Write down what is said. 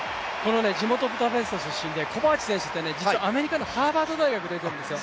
地元ブダペスト出身で、コバーチ選手って実はアメリカのハーバード大学出ているんですよ。